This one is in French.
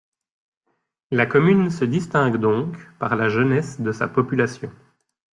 La commune se distingue donc par la jeunesse de sa population.